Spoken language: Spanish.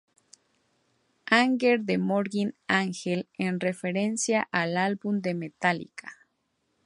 Anger de Morbid Angel, en referencia al álbum de Metallica.